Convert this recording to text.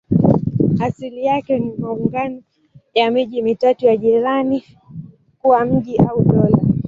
Asili yake ni maungano ya miji mitatu ya jirani kuwa mji au dola moja.